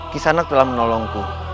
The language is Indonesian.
kisanak telah menolongku